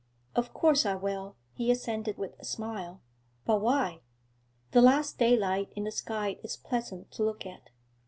'Of course I will,' he assented with a smile. 'But why?' 'The last daylight in the sky is pleasant to look at.'